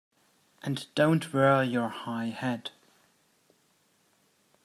And don't wear your high hat!